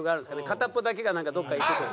片っぽだけがどっか行くとか。